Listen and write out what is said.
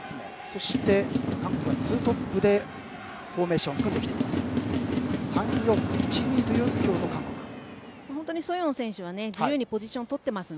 そして、韓国は２トップでフォーメーションを組んできています。